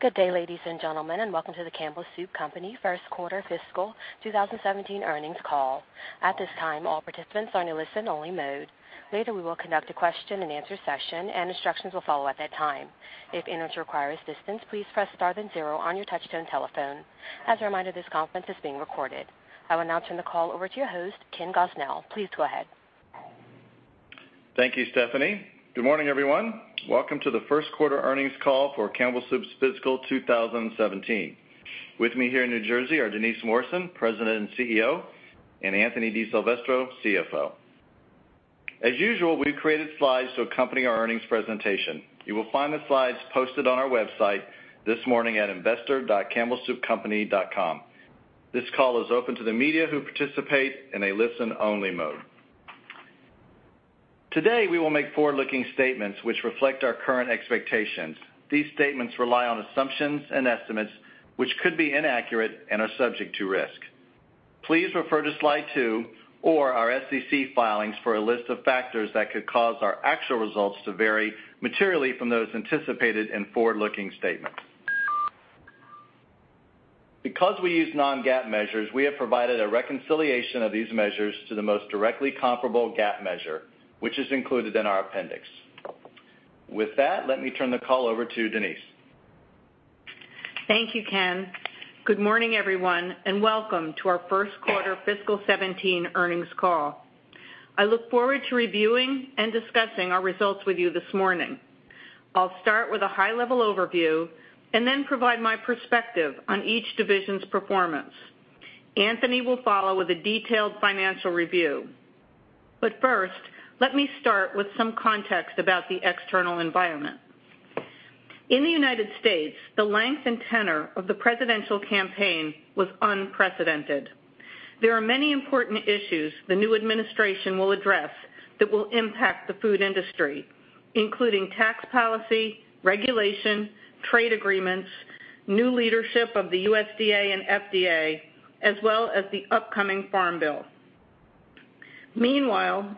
Good day, ladies and gentlemen, and welcome to the Campbell Soup Company first quarter fiscal 2017 earnings call. At this time, all participants are in listen only mode. Later, we will conduct a question and answer session, and instructions will follow at that time. If anyone requires assistance, please press star then zero on your touchtone telephone. As a reminder, this conference is being recorded. I will now turn the call over to your host, Ken Gosnell. Please go ahead. Thank you, Stephanie. Good morning, everyone. Welcome to the first quarter earnings call for Campbell Soup's fiscal 2017. With me here in New Jersey are Denise Morrison, President and CEO, and Anthony DiSilvestro, CFO. As usual, we've created slides to accompany our earnings presentation. You will find the slides posted on our website this morning at investor.campbellsoupcompany.com. This call is open to the media who participate in a listen-only mode. Today, we will make forward-looking statements which reflect our current expectations. These statements rely on assumptions and estimates, which could be inaccurate and are subject to risk. Please refer to slide two or our SEC filings for a list of factors that could cause our actual results to vary materially from those anticipated in forward-looking statements. Because we use non-GAAP measures, we have provided a reconciliation of these measures to the most directly comparable GAAP measure, which is included in our appendix. With that, let me turn the call over to Denise. Thank you, Ken. Good morning, everyone, and welcome to our first quarter fiscal '17 earnings call. I look forward to reviewing and discussing our results with you this morning. I'll start with a high-level overview and then provide my perspective on each division's performance. Anthony will follow with a detailed financial review. First, let me start with some context about the external environment. In the United States, the length and tenor of the presidential campaign was unprecedented. There are many important issues the new administration will address that will impact the food industry, including tax policy, regulation, trade agreements, new leadership of the USDA and FDA, as well as the upcoming farm bill. Meanwhile,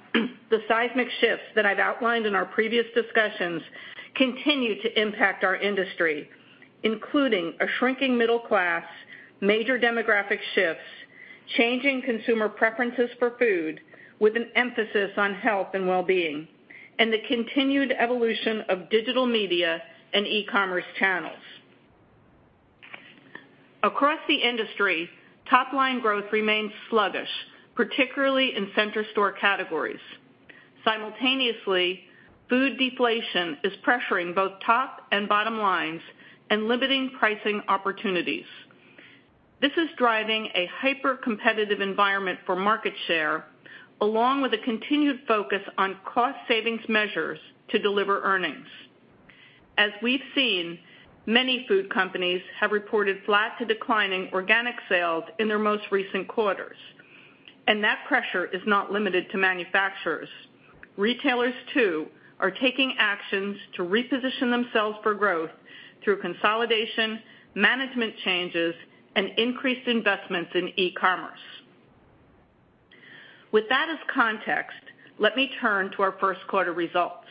the seismic shifts that I've outlined in our previous discussions continue to impact our industry, including a shrinking middle class, major demographic shifts, changing consumer preferences for food with an emphasis on health and wellbeing, and the continued evolution of digital media and e-commerce channels. Across the industry, top-line growth remains sluggish, particularly in center store categories. Simultaneously, food deflation is pressuring both top and bottom lines and limiting pricing opportunities. This is driving a hyper-competitive environment for market share, along with a continued focus on cost savings measures to deliver earnings. As we've seen, many food companies have reported flat to declining organic sales in their most recent quarters, and that pressure is not limited to manufacturers. Retailers too are taking actions to reposition themselves for growth through consolidation, management changes, and increased investments in e-commerce. With that as context, let me turn to our first quarter results.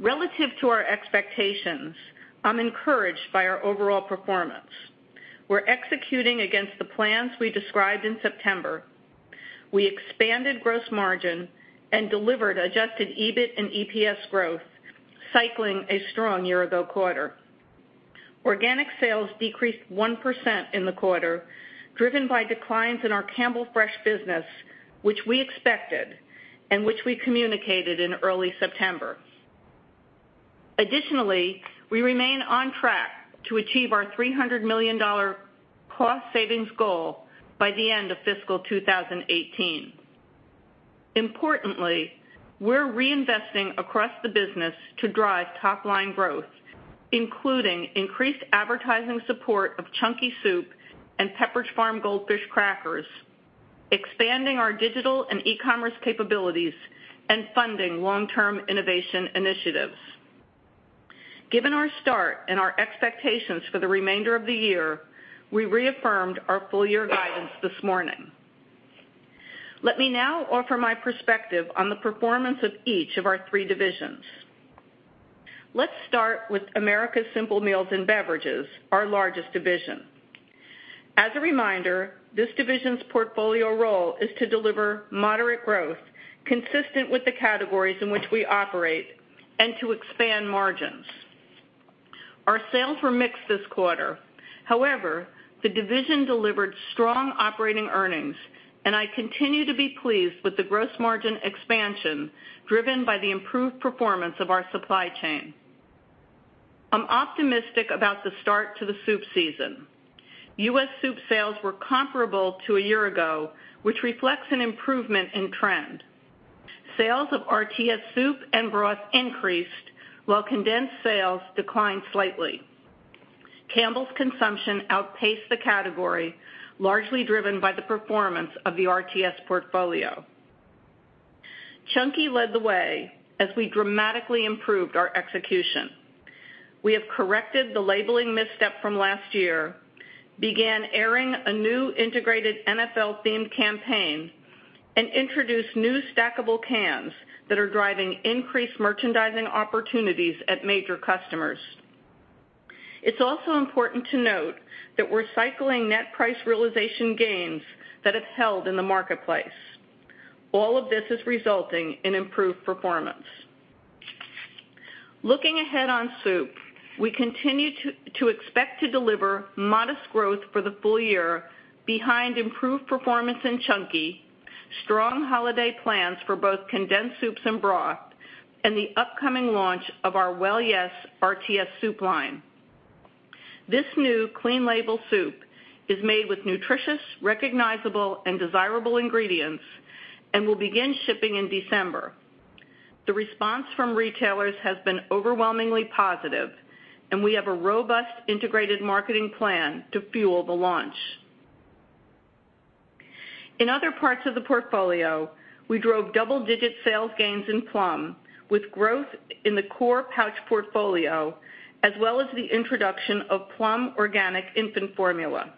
Relative to our expectations, I'm encouraged by our overall performance. We're executing against the plans we described in September. We expanded gross margin and delivered adjusted EBIT and EPS growth, cycling a strong year-ago quarter. Organic sales decreased 1% in the quarter, driven by declines in our Campbell Fresh business, which we expected and which we communicated in early September. Additionally, we remain on track to achieve our $300 million cost savings goal by the end of fiscal 2018. Importantly, we're reinvesting across the business to drive top-line growth, including increased advertising support of Chunky Soup and Pepperidge Farm Goldfish crackers, expanding our digital and e-commerce capabilities, and funding long-term innovation initiatives. Given our start and our expectations for the remainder of the year, we reaffirmed our full year guidance this morning. Let me now offer my perspective on the performance of each of our three divisions. Let's start with Americas Simple Meals and Beverages, our largest division. As a reminder, this division's portfolio role is to deliver moderate growth consistent with the categories in which we operate and to expand margins. Our sales were mixed this quarter. However, the division delivered strong operating earnings, and I continue to be pleased with the gross margin expansion driven by the improved performance of our supply chain. I'm optimistic about the start to the soup season. U.S. soup sales were comparable to a year ago, which reflects an improvement in trend. Sales of RTS soup and broth increased, while condensed sales declined slightly. Campbell's consumption outpaced the category, largely driven by the performance of the RTS portfolio. Chunky led the way as we dramatically improved our execution. We have corrected the labeling misstep from last year. Began airing a new integrated NFL-themed campaign and introduced new stackable cans that are driving increased merchandising opportunities at major customers. It's also important to note that we're cycling net price realization gains that have held in the marketplace. All of this is resulting in improved performance. Looking ahead on soup, we continue to expect to deliver modest growth for the full year behind improved performance in Chunky, strong holiday plans for both condensed soups and broth, and the upcoming launch of our Well Yes! RTS soup line. This new clean label soup is made with nutritious, recognizable, and desirable ingredients and will begin shipping in December. The response from retailers has been overwhelmingly positive, and we have a robust integrated marketing plan to fuel the launch. In other parts of the portfolio, we drove double-digit sales gains in Plum with growth in the core pouch portfolio as well as the introduction of Plum organic infant formula.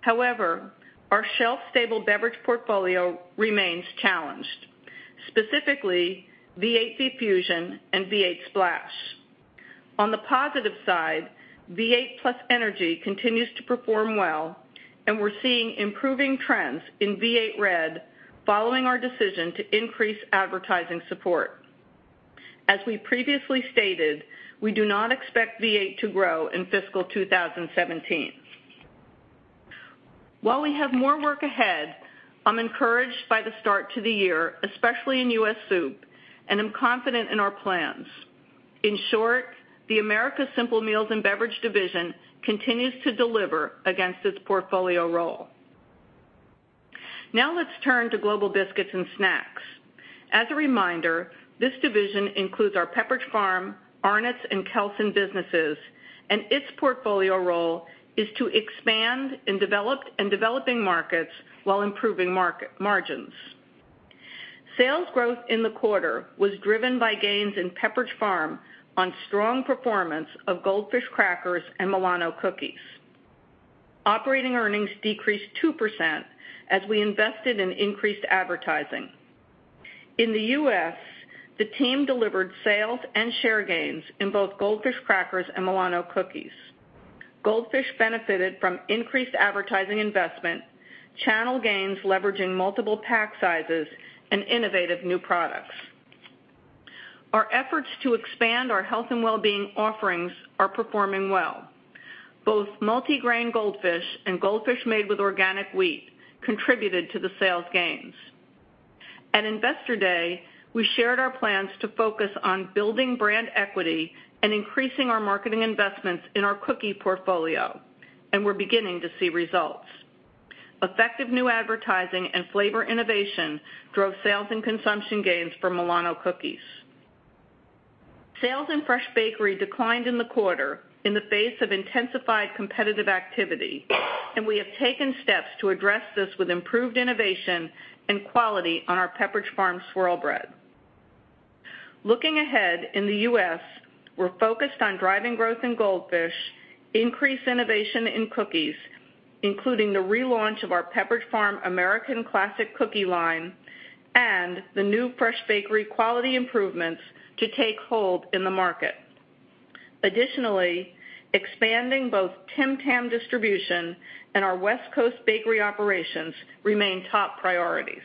However, our shelf-stable beverage portfolio remains challenged, specifically V8 V-Fusion and V8 Splash. On the positive side, V8 +Energy continues to perform well, and we're seeing improving trends in V8 Red following our decision to increase advertising support. As we previously stated, we do not expect V8 to grow in fiscal 2017. While we have more work ahead, I'm encouraged by the start to the year, especially in U.S. soup, and I'm confident in our plans. In short, the Americas Simple Meals and Beverages division continues to deliver against its portfolio role. Let's turn to Global Biscuits and Snacks. As a reminder, this division includes our Pepperidge Farm, Arnott's, and Kelsen businesses, and its portfolio role is to expand in developing markets while improving margins. Sales growth in the quarter was driven by gains in Pepperidge Farm on strong performance of Goldfish crackers and Milano cookies. Operating earnings decreased 2% as we invested in increased advertising. In the U.S., the team delivered sales and share gains in both Goldfish crackers and Milano cookies. Goldfish benefited from increased advertising investment, channel gains leveraging multiple pack sizes, and innovative new products. Our efforts to expand our health and wellbeing offerings are performing well. Both multi-grain Goldfish and Goldfish made with organic wheat contributed to the sales gains. At Investor Day, we shared our plans to focus on building brand equity and increasing our marketing investments in our cookie portfolio, and we're beginning to see results. Effective new advertising and flavor innovation drove sales and consumption gains for Milano cookies. Sales in Fresh Bakery declined in the quarter in the face of intensified competitive activity, and we have taken steps to address this with improved innovation and quality on our Pepperidge Farm Swirl Bread. Looking ahead, in the U.S., we're focused on driving growth in Goldfish, increased innovation in cookies, including the relaunch of our Pepperidge Farm American Collection cookie line and the new Fresh Bakery quality improvements to take hold in the market. Additionally, expanding both Tim Tam distribution and our West Coast bakery operations remain top priorities.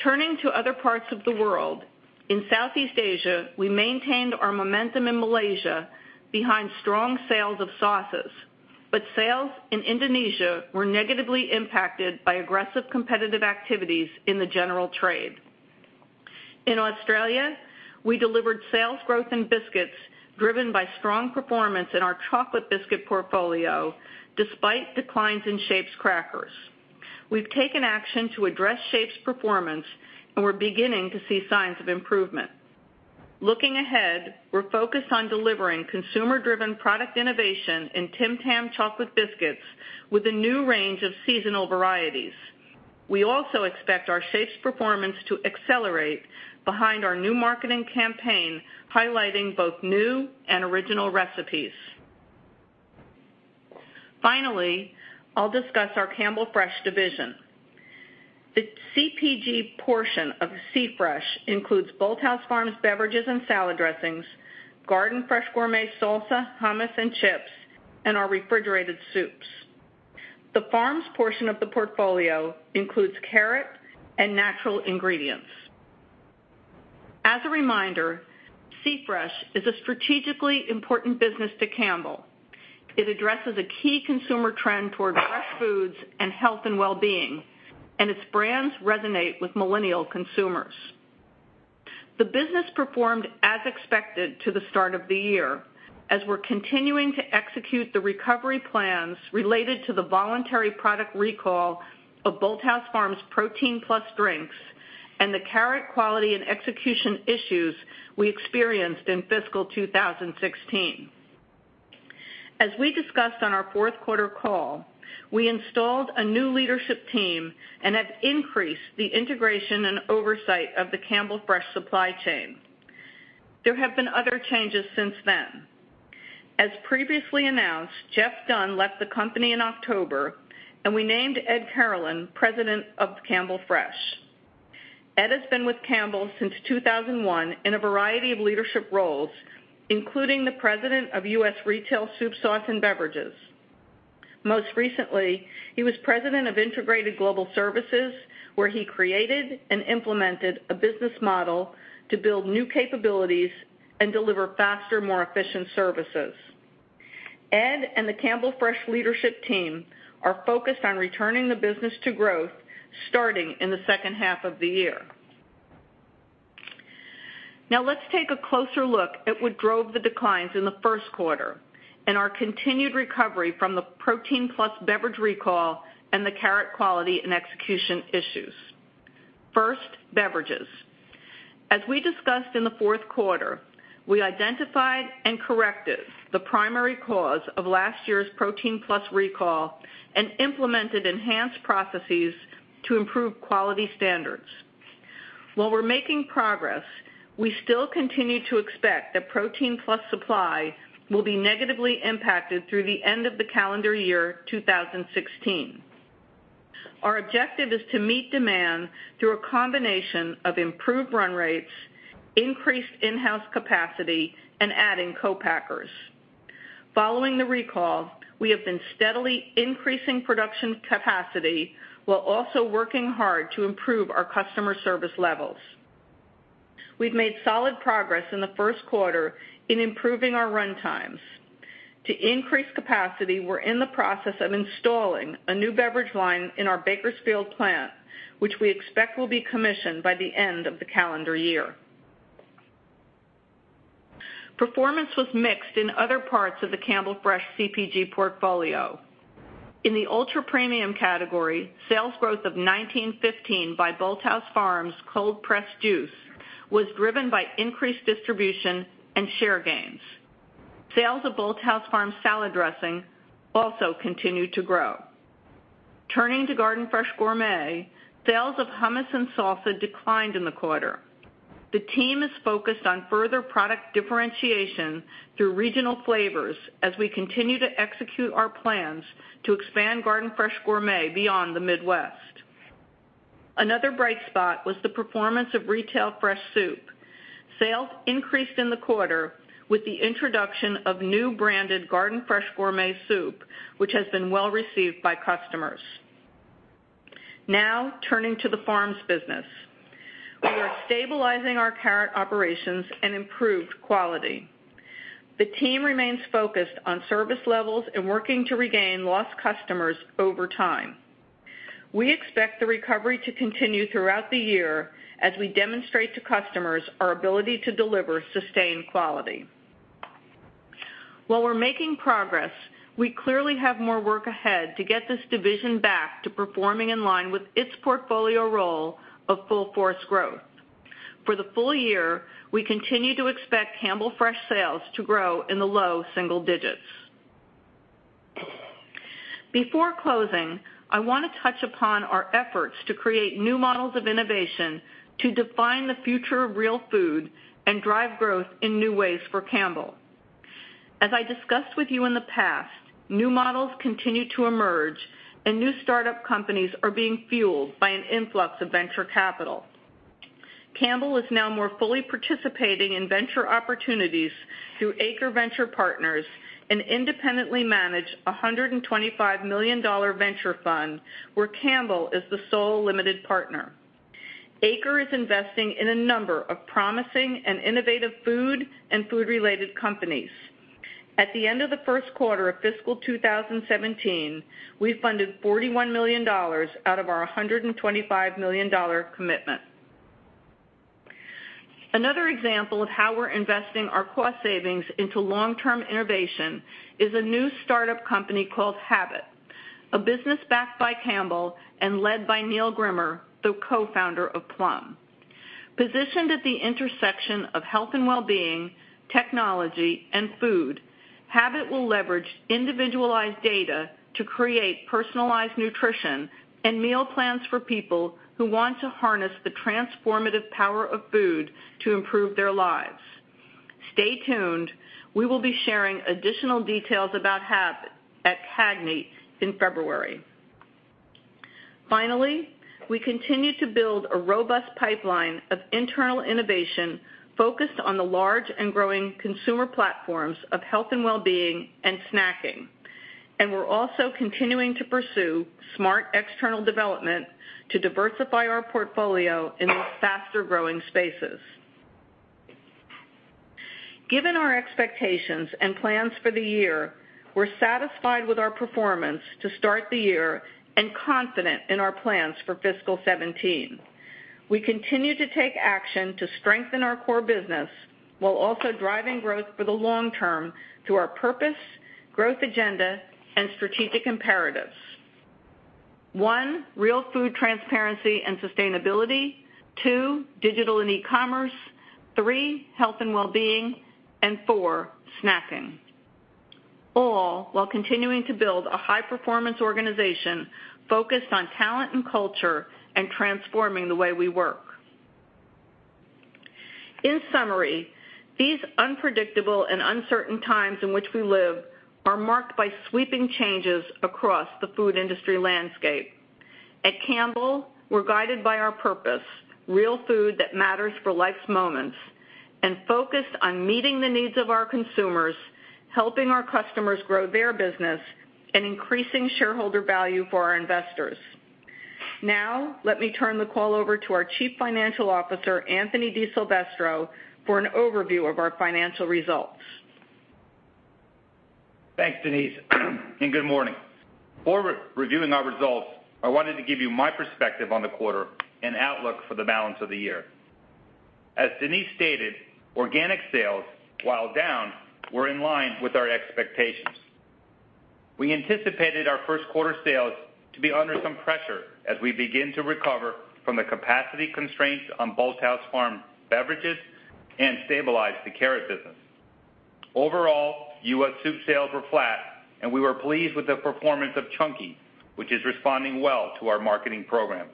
Turning to other parts of the world, in Southeast Asia, we maintained our momentum in Malaysia behind strong sales of sauces, but sales in Indonesia were negatively impacted by aggressive competitive activities in the general trade. In Australia, we delivered sales growth in biscuits driven by strong performance in our chocolate biscuit portfolio, despite declines in Shapes crackers. We've taken action to address Shapes performance, and we're beginning to see signs of improvement. Looking ahead, we're focused on delivering consumer-driven product innovation in Tim Tam chocolate biscuits with a new range of seasonal varieties. We also expect our Shapes performance to accelerate behind our new marketing campaign, highlighting both new and original recipes. Finally, I'll discuss our Campbell Fresh division. The CPG portion of C-Fresh includes Bolthouse Farms beverages and salad dressings, Garden Fresh Gourmet salsa, hummus, and chips, and our refrigerated soups. The Farms portion of the portfolio includes carrot and natural ingredients. As a reminder, C-Fresh is a strategically important business to Campbell. It addresses a key consumer trend towards fresh foods and health and wellbeing, its brands resonate with millennial consumers. The business performed as expected to the start of the year, as we're continuing to execute the recovery plans related to the voluntary product recall of Bolthouse Farms Protein PLUS drinks and the carrot quality and execution issues we experienced in fiscal 2016. As we discussed on our fourth quarter call, we installed a new leadership team and have increased the integration and oversight of the Campbell Fresh supply chain. There have been other changes since then. As previously announced, Jeff Dunn left the company in October, we named Ed Carolan President of Campbell Fresh. Ed has been with Campbell since 2001 in a variety of leadership roles, including the President of U.S. Retail Soup, Sauce, and Beverages. Most recently, he was President of Integrated Global Services, where he created and implemented a business model to build new capabilities and deliver faster, more efficient services. Ed and the Campbell Fresh leadership team are focused on returning the business to growth, starting in the second half of the year. Let's take a closer look at what drove the declines in the first quarter and our continued recovery from the Protein PLUS beverage recall and the carrot quality and execution issues. First, beverages. As we discussed in the fourth quarter, we identified and corrected the primary cause of last year's Protein PLUS recall and implemented enhanced processes to improve quality standards. While we're making progress, we still continue to expect that Protein PLUS supply will be negatively impacted through the end of the calendar year 2016. Our objective is to meet demand through a combination of improved run rates, increased in-house capacity, and adding co-packers. Following the recall, we have been steadily increasing production capacity while also working hard to improve our customer service levels. We've made solid progress in the first quarter in improving our run times. To increase capacity, we're in the process of installing a new beverage line in our Bakersfield plant, which we expect will be commissioned by the end of the calendar year. Performance was mixed in other parts of the Campbell Fresh CPG portfolio. In the ultra-premium category, sales growth of 1915 by Bolthouse Farms cold-pressed juice was driven by increased distribution and share gains. Sales of Bolthouse Farms salad dressing also continued to grow. Turning to Garden Fresh Gourmet, sales of hummus and salsa declined in the quarter. The team is focused on further product differentiation through regional flavors as we continue to execute our plans to expand Garden Fresh Gourmet beyond the Midwest. Another bright spot was the performance of retail fresh soup. Sales increased in the quarter with the introduction of new branded Garden Fresh Gourmet soup, which has been well received by customers. Turning to the farms business. We are stabilizing our carrot operations and improved quality. The team remains focused on service levels and working to regain lost customers over time. We expect the recovery to continue throughout the year as we demonstrate to customers our ability to deliver sustained quality. While we're making progress, we clearly have more work ahead to get this division back to performing in line with its portfolio role of full-force growth. For the full year, we continue to expect Campbell Fresh sales to grow in the low single digits. Before closing, I want to touch upon our efforts to create new models of innovation to define the future of real food and drive growth in new ways for Campbell. As I discussed with you in the past, new models continue to emerge, and new startup companies are being fueled by an influx of venture capital. Campbell is now more fully participating in venture opportunities through Acre Venture Partners, an independently managed $125 million venture fund where Campbell is the sole limited partner. Acre is investing in a number of promising and innovative food and food-related companies. At the end of the first quarter of fiscal 2017, we funded $41 million out of our $125 million commitment. Another example of how we're investing our cost savings into long-term innovation is a new startup company called Habit, a business backed by Campbell and led by Neil Grimmer, the co-founder of Plum. Positioned at the intersection of health and wellbeing, technology, and food, Habit will leverage individualized data to create personalized nutrition and meal plans for people who want to harness the transformative power of food to improve their lives. Stay tuned. We will be sharing additional details about Habit at CAGNY in February. We're also continuing to build a robust pipeline of internal innovation focused on the large and growing consumer platforms of health and wellbeing and snacking, and we're also continuing to pursue smart external development to diversify our portfolio in these faster-growing spaces. Given our expectations and plans for the year, we're satisfied with our performance to start the year and confident in our plans for fiscal 2017. We continue to take action to strengthen our core business while also driving growth for the long term through our purpose, growth agenda, and strategic imperatives. One, real food transparency and sustainability, two, digital and e-commerce, three, health and wellbeing, and four, snacking. All while continuing to build a high-performance organization focused on talent and culture and transforming the way we work. In summary, these unpredictable and uncertain times in which we live are marked by sweeping changes across the food industry landscape. At Campbell, we're guided by our purpose, real food that matters for life's moments, and focused on meeting the needs of our consumers, helping our customers grow their business, and increasing shareholder value for our investors. Now, let me turn the call over to our Chief Financial Officer, Anthony DiSilvestro, for an overview of our financial results. Thanks, Denise, and good morning. Before reviewing our results, I wanted to give you my perspective on the quarter and outlook for the balance of the year. As Denise stated, organic sales, while down, were in line with our expectations. We anticipated our first quarter sales to be under some pressure as we begin to recover from the capacity constraints on Bolthouse Farms beverages and stabilize the carrot business. Overall, U.S. soup sales were flat, and we were pleased with the performance of Chunky, which is responding well to our marketing programs.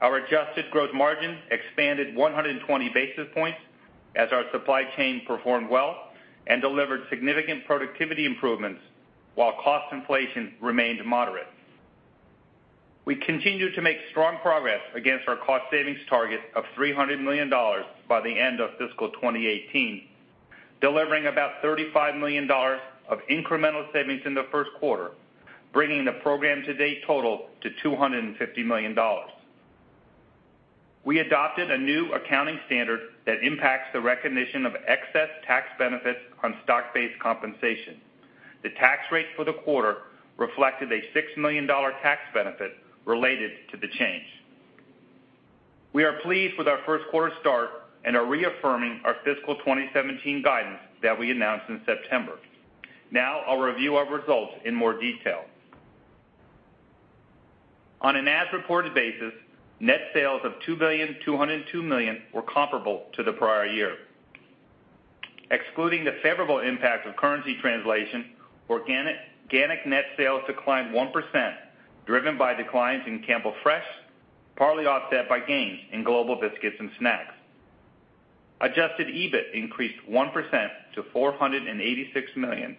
Our adjusted gross margin expanded 120 basis points as our supply chain performed well and delivered significant productivity improvements while cost inflation remained moderate. We continue to make strong progress against our cost savings target of $300 million by the end of FY 2018, delivering about $35 million of incremental savings in the first quarter, bringing the program to date total to $250 million. We adopted a new accounting standard that impacts the recognition of excess tax benefits on stock-based compensation. The tax rate for the quarter reflected a $6 million tax benefit related to the change. We are pleased with our first-quarter start and are reaffirming our FY 2017 guidance that we announced in September. I'll review our results in more detail. On an as-reported basis, net sales of $2.202 billion were comparable to the prior year. Excluding the favorable impact of currency translation, organic net sales declined 1%, driven by declines in Campbell Fresh, partly offset by gains in Global Biscuits and Snacks. Adjusted EBIT increased 1% to $486 million,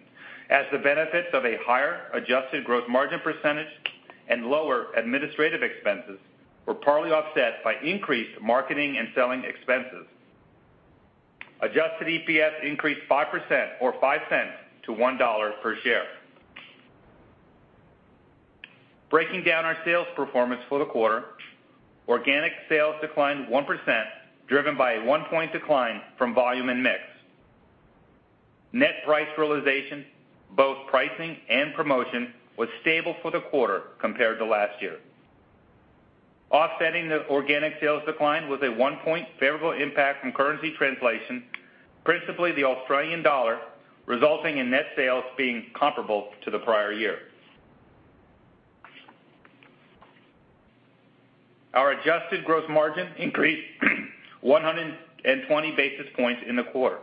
as the benefits of a higher adjusted gross margin percentage and lower administrative expenses were partly offset by increased marketing and selling expenses. Adjusted EPS increased 5%, or $0.05, to $1 per share. Breaking down our sales performance for the quarter, organic sales declined 1%, driven by a 1-point decline from volume and mix. Net price realization, both pricing and promotion, was stable for the quarter compared to last year. Offsetting the organic sales decline was a 1-point favorable impact from currency translation, principally the Australian dollar, resulting in net sales being comparable to the prior year. Our adjusted gross margin increased 120 basis points in the quarter.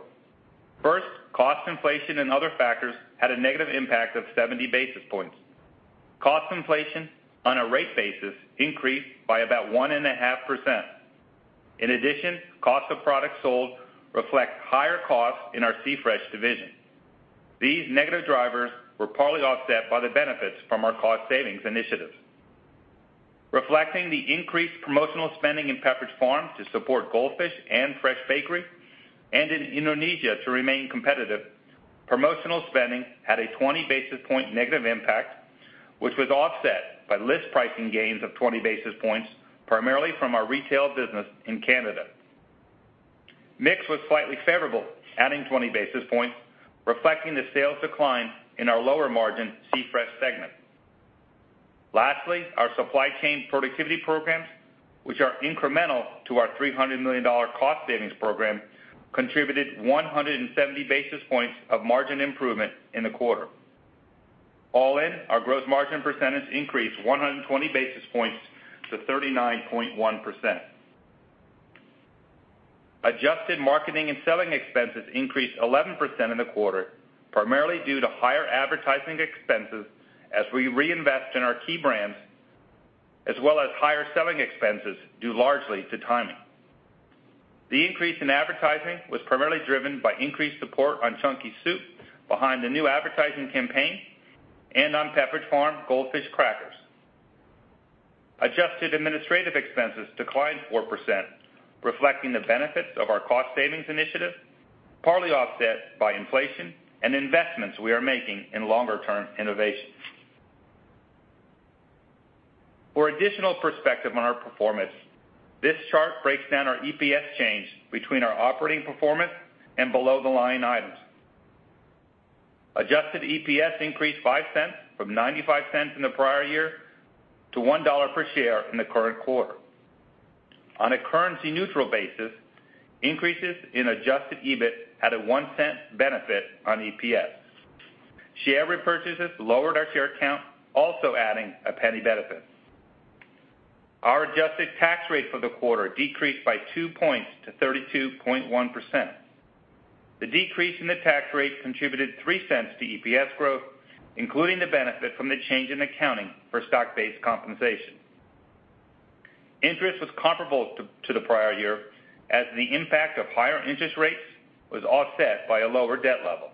First, cost inflation and other factors had a negative impact of 70 basis points. Cost inflation on a rate basis increased by about 1.5%. Cost of products sold reflect higher costs in our C-Fresh division. These negative drivers were partly offset by the benefits from our cost savings initiatives. Reflecting the increased promotional spending in Pepperidge Farm to support Goldfish and Fresh Bakery and in Indonesia to remain competitive, promotional spending had a 20-basis-point negative impact, which was offset by list pricing gains of 20 basis points, primarily from our retail business in Canada. Mix was slightly favorable, adding 20 basis points, reflecting the sales decline in our lower-margin C-Fresh segment. Our supply chain productivity programs, which are incremental to our $300 million cost savings program, contributed 170 basis points of margin improvement in the quarter. All in, our gross margin percentage increased 120 basis points to 39.1%. Adjusted marketing and selling expenses increased 11% in the quarter, primarily due to higher advertising expenses as we reinvest in our key brands, as well as higher selling expenses due largely to timing. The increase in advertising was primarily driven by increased support on Chunky Soup behind the new advertising campaign and on Pepperidge Farm Goldfish crackers. Adjusted administrative expenses declined 4%, reflecting the benefits of our cost savings initiative, partly offset by inflation and investments we are making in longer-term innovations. For additional perspective on our performance, this chart breaks down our EPS change between our operating performance and below-the-line items. Adjusted EPS increased $0.05 from $0.95 in the prior year to $1 per share in the current quarter. On a currency-neutral basis, increases in adjusted EBIT had a $0.01 benefit on EPS. Share repurchases lowered our share count, also adding a $0.01 benefit. Our adjusted tax rate for the quarter decreased by two points to 32.1%. The decrease in the tax rate contributed $0.03 to EPS growth, including the benefit from the change in accounting for stock-based compensation. Interest was comparable to the prior year, as the impact of higher interest rates was offset by a lower debt level.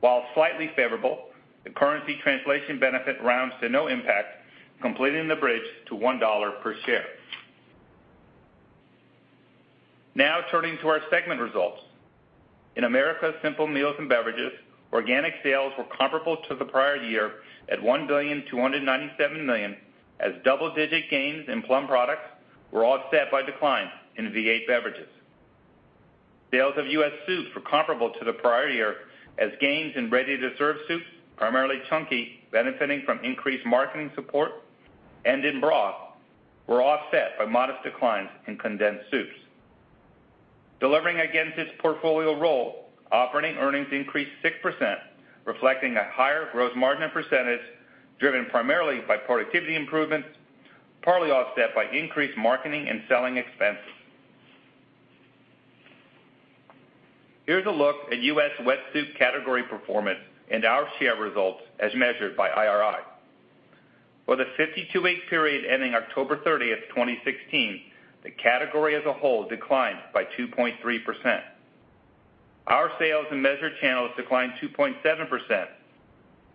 While slightly favorable, the currency translation benefit rounds to no impact, completing the bridge to $1 per share. Turning to our segment results. In Americas Simple Meals and Beverages, organic sales were comparable to the prior year at $1.297 billion, as double-digit gains in Plum products were offset by declines in V8 beverages. Sales of U.S. soups were comparable to the prior year, as gains in ready-to-serve soups, primarily Chunky, benefiting from increased marketing support, and in broth, were offset by modest declines in condensed soups. Delivering against its portfolio role, operating earnings increased 6%, reflecting a higher gross margin and percentage driven primarily by productivity improvements, partly offset by increased marketing and selling expenses. Here's a look at U.S. wet soup category performance and our share results as measured by IRI. For the 52-week period ending October 30th, 2016, the category as a whole declined by 2.3%. Our sales in measured channels declined 2.7%,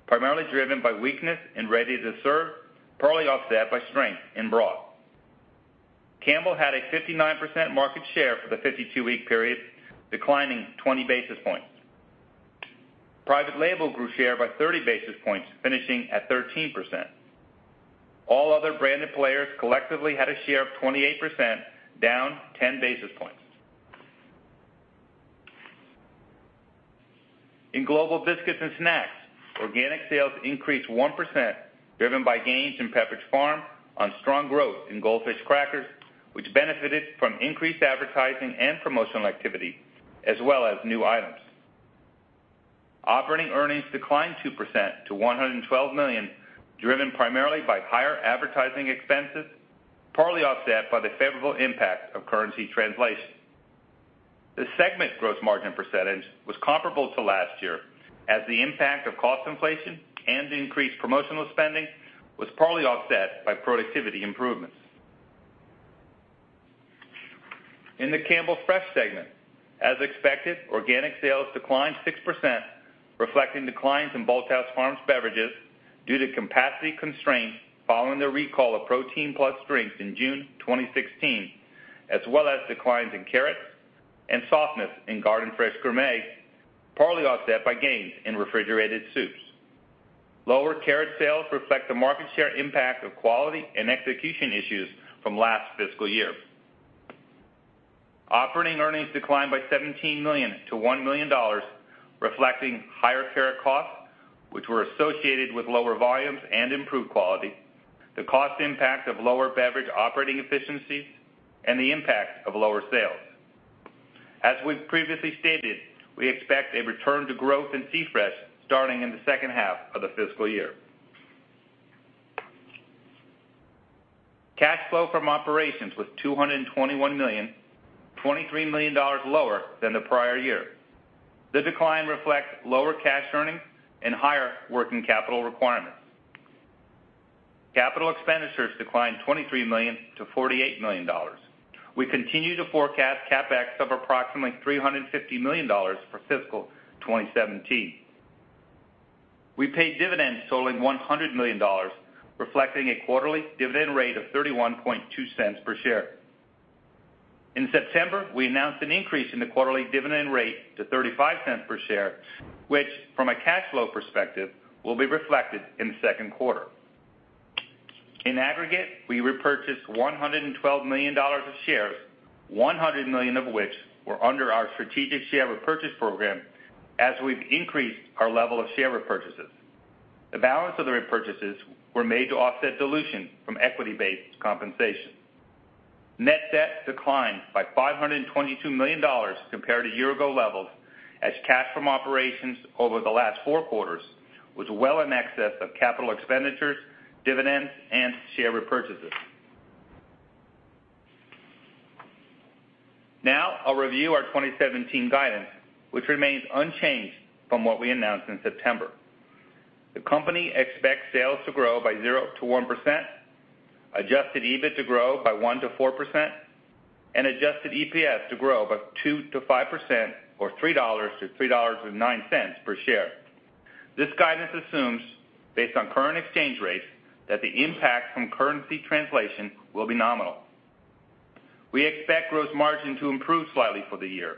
primarily driven by weakness in ready-to-serve, partly offset by strength in broth. Campbell had a 59% market share for the 52-week period, declining 20 basis points. Private label grew share by 30 basis points, finishing at 13%. All other branded players collectively had a share of 28%, down 10 basis points. In Global Biscuits and Snacks, organic sales increased 1%, driven by gains in Pepperidge Farm on strong growth in Goldfish crackers, which benefited from increased advertising and promotional activity, as well as new items. Operating earnings declined 2% to $112 million, driven primarily by higher advertising expenses, partly offset by the favorable impact of currency translation. The segment gross margin percentage was comparable to last year as the impact of cost inflation and increased promotional spending was partly offset by productivity improvements. In the Campbell Fresh segment, as expected, organic sales declined 6%, reflecting declines in Bolthouse Farms beverages due to capacity constraints following the recall of Protein PLUS drinks in June 2016, as well as declines in carrots and softness in Garden Fresh Gourmet, partly offset by gains in refrigerated soups. Lower carrot sales reflect the market share impact of quality and execution issues from last fiscal year. Operating earnings declined by $17 million to $1 million, reflecting higher carrot costs, which were associated with lower volumes and improved quality, the cost impact of lower beverage operating efficiencies, and the impact of lower sales. As we've previously stated, we expect a return to growth in C-Fresh starting in the second half of the fiscal year. Cash flow from operations was $221 million, $23 million lower than the prior year. The decline reflects lower cash earnings and higher working capital requirements. Capital expenditures declined $23 million to $48 million. We continue to forecast CapEx of approximately $350 million for fiscal 2017. We paid dividends totaling $100 million, reflecting a quarterly dividend rate of $0.312 per share. In September, we announced an increase in the quarterly dividend rate to $0.35 per share, which, from a cash flow perspective, will be reflected in the second quarter. In aggregate, we repurchased $112 million of shares, $100 million of which were under our strategic share repurchase program, as we've increased our level of share repurchases. The balance of the repurchases were made to offset dilution from equity-based compensation. Net debt declined by $522 million compared to year-ago levels, as cash from operations over the last four quarters was well in excess of capital expenditures, dividends, and share repurchases. Now I'll review our 2017 guidance, which remains unchanged from what we announced in September. The company expects sales to grow by 0% to 1%, adjusted EBIT to grow by 1% to 4%, and adjusted EPS to grow by 2% to 5%, or $3 to $3.09 per share. This guidance assumes, based on current exchange rates, that the impact from currency translation will be nominal. We expect gross margin to improve slightly for the year.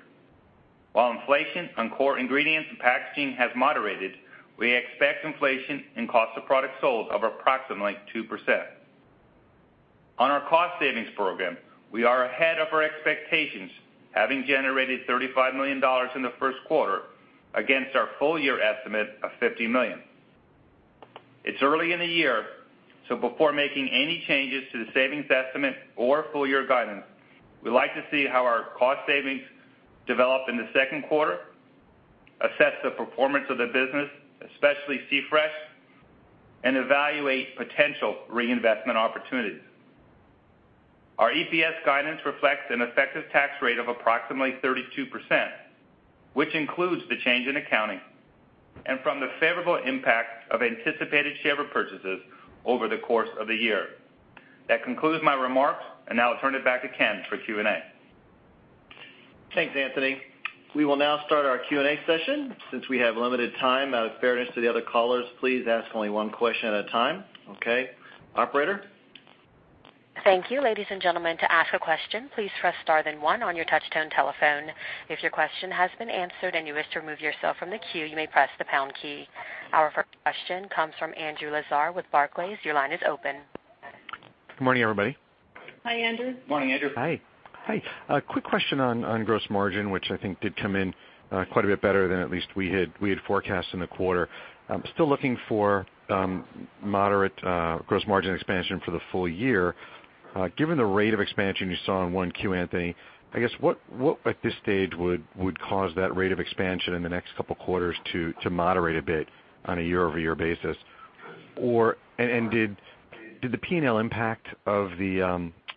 While inflation on core ingredients and packaging has moderated, we expect inflation and cost of products sold of approximately 2%. On our cost savings program, we are ahead of our expectations, having generated $35 million in the first quarter against our full year estimate of $50 million. It's early in the year, so before making any changes to the savings estimate or full-year guidance, we'd like to see how our cost savings develop in the second quarter. Assess the performance of the business, especially C-Fresh, and evaluate potential reinvestment opportunities. Our EPS guidance reflects an effective tax rate of approximately 32%, which includes the change in accounting and from the favorable impact of anticipated share repurchases over the course of the year. That concludes my remarks, and now I'll turn it back to Ken for Q&A. Thanks, Anthony. We will now start our Q&A session. Since we have limited time, out of fairness to the other callers, please ask only one question at a time. Okay. Operator? Thank you, ladies and gentlemen. To ask a question, please press star then one on your touch-tone telephone. If your question has been answered and you wish to remove yourself from the queue, you may press the pound key. Our first question comes from Andrew Lazar with Barclays. Your line is open. Good morning, everybody. Hi, Andrew. Morning, Andrew. Hi. Quick question on gross margin, which I think did come in quite a bit better than at least we had forecasted in the quarter. Still looking for moderate gross margin expansion for the full year. Given the rate of expansion you saw in 1Q, Anthony, I guess what at this stage would cause that rate of expansion in the next couple of quarters to moderate a bit on a year-over-year basis? Did the P&L impact of the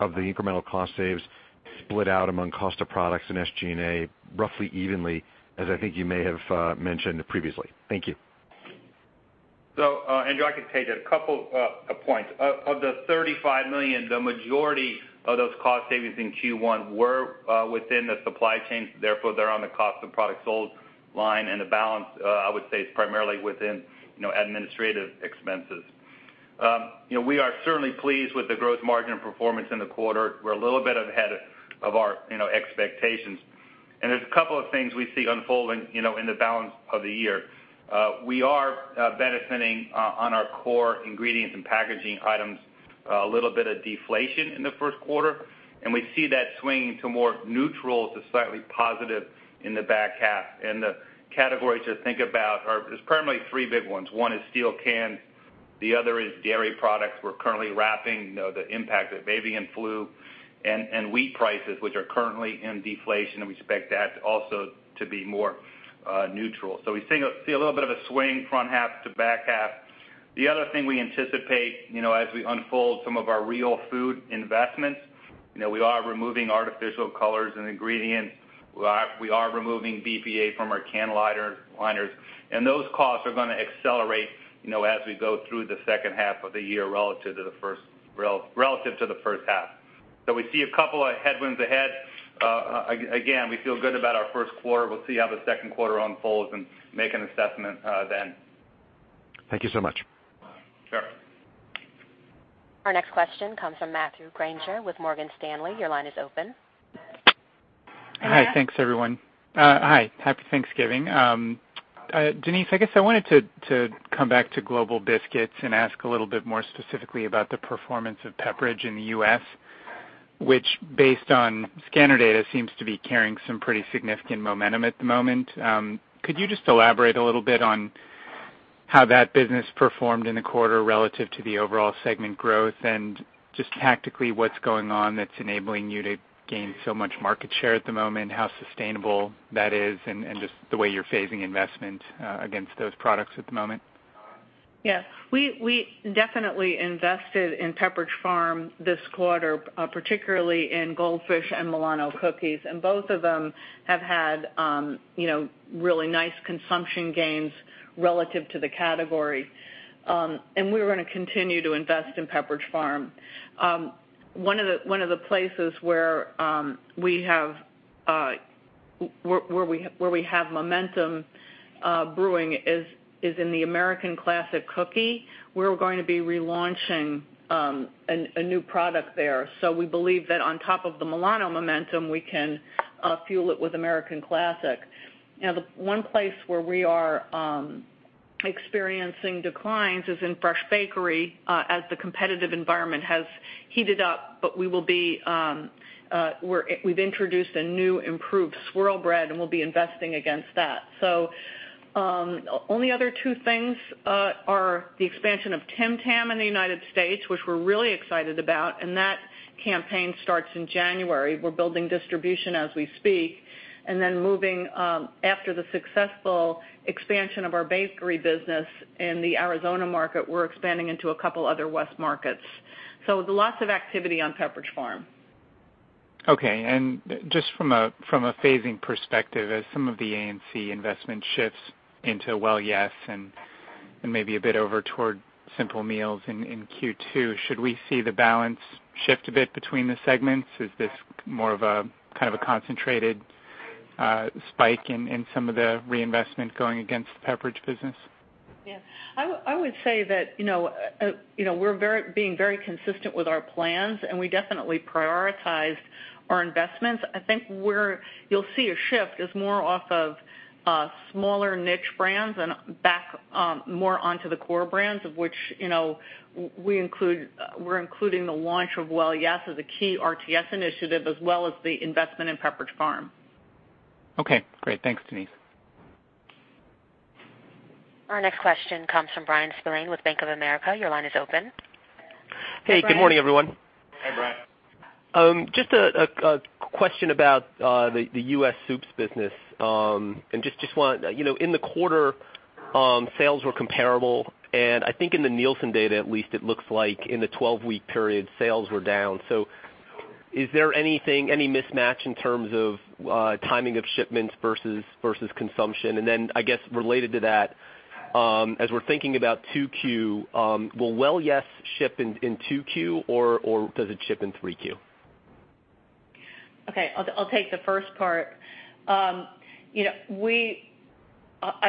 incremental cost saves split out among cost of products and SG&A roughly evenly, as I think you may have mentioned previously? Thank you. Andrew, I can take a couple of points. Of the $35 million, the majority of those cost savings in Q1 were within the supply chain, therefore, they're on the cost of product sold line, and the balance, I would say, is primarily within administrative expenses. We are certainly pleased with the gross margin performance in the quarter. We're a little bit ahead of our expectations. There's a couple of things we see unfolding in the balance of the year. We are benefiting on our core ingredients and packaging items, a little bit of deflation in the first quarter, and we see that swinging to more neutral to slightly positive in the back half. The categories to think about are-- there's primarily three big ones. One is steel cans, the other is dairy products. We're currently wrapping the impact of avian flu and wheat prices, which are currently in deflation, and we expect that also to be more neutral. We see a little bit of a swing front half to back half. The other thing we anticipate as we unfold some of our real food investments, we are removing artificial colors and ingredients. We are removing BPA from our can liners. Those costs are going to accelerate as we go through the second half of the year relative to the first half. We see a couple of headwinds ahead. Again, we feel good about our first quarter. We'll see how the second quarter unfolds and make an assessment then. Thank you so much. Sure. Our next question comes from Matthew Grainger with Morgan Stanley. Your line is open. Hi, thanks everyone. Hi, Happy Thanksgiving. Denise, I guess I wanted to come back to Global Biscuits and ask a little bit more specifically about the performance of Pepperidge in the U.S., which, based on scanner data, seems to be carrying some pretty significant momentum at the moment. Could you just elaborate a little bit on how that business performed in the quarter relative to the overall segment growth and just tactically what's going on that's enabling you to gain so much market share at the moment, how sustainable that is and just the way you're phasing investment against those products at the moment? Yeah. We definitely invested in Pepperidge Farm this quarter, particularly in Goldfish and Milano cookies, both of them have had really nice consumption gains relative to the category. We're going to continue to invest in Pepperidge Farm. One of the places where we have momentum brewing is in the American Collection Cookie. We're going to be relaunching a new product there. We believe that on top of the Milano momentum, we can fuel it with American Collection Cookie. The one place where we are experiencing declines is in fresh bakery as the competitive environment has heated up, but we've introduced a new improved swirl bread, we'll be investing against that. Only other two things are the expansion of Tim Tam in the United States, which we're really excited about, that campaign starts in January. We're building distribution as we speak moving after the successful expansion of our bakery business in the Arizona market, we're expanding into a couple other West markets. Lots of activity on Pepperidge Farm. Okay. Just from a phasing perspective, as some of the A&C investment shifts into Well Yes! and maybe a bit over toward Simple Meals in Q2, should we see the balance shift a bit between the segments? Is this more of a kind of a concentrated spike in some of the reinvestment going against the Pepperidge business? Yeah. I would say that we're being very consistent with our plans. We definitely prioritized our investments. I think where you'll see a shift is more off of smaller niche brands and back more onto the core brands, of which we're including the launch of Well Yes! as a key RTS initiative, as well as the investment in Pepperidge Farm. Okay, great. Thanks, Denise. Our next question comes from Bryan Spillane with Bank of America. Your line is open. Hey, good morning, everyone. Hi, Bryan. Just a question about the U.S. Soups business, and just wonder, in the quarter, sales were comparable, and I think in the Nielsen data, at least, it looks like in the 12-week period, sales were down. Is there any mismatch in terms of timing of shipments versus consumption? Then, I guess, related to that, as we're thinking about 2Q, will Well Yes! ship in 2Q, or does it ship in 3Q? Okay. I'll take the first part. I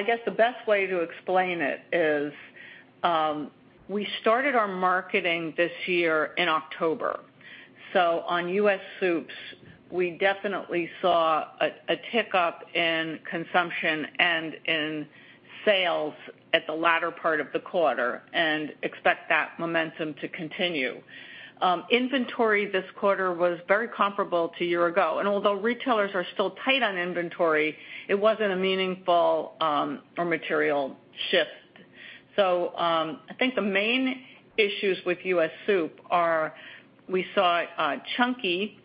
guess the best way to explain it is, we started our marketing this year in October. On U.S. Soups, we definitely saw a tick up in consumption and in sales at the latter part of the quarter and expect that momentum to continue. Inventory this quarter was very comparable to a year ago, and although retailers are still tight on inventory, it wasn't a meaningful or material shift. I think the main issues with U.S. Soup are, we saw Chunky